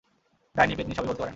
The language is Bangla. ডাইনি, পেত্নী সবই বলতে পারেন।